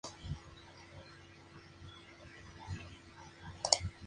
Una situación similar ocurrió con el español Marc Coma en la competencia de motocicletas.